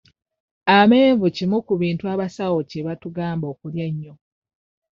Amenvu kimu ku bintu abasawo kye batugamba okulya ennyo.